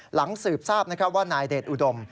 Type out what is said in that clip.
หลังสืบทราบว่านายเดชอุดม